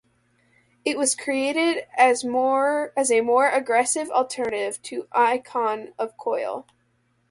It was created as a more aggressive alternative to Icon of Coil.